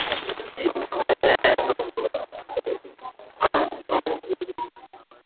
nza kutolewa kwa matokeo ya awali lakini hadi sasa